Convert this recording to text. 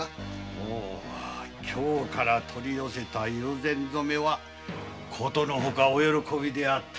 京から取り寄せた友禅染は殊の外お喜びであった。